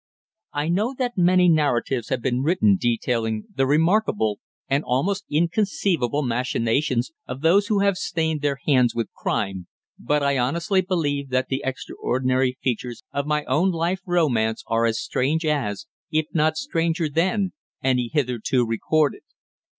I know that many narratives have been written detailing the remarkable and almost inconceivable machinations of those who have stained their hands with crime, but I honestly believe that the extraordinary features of my own life romance are as strange as, if not stranger than, any hitherto recorded.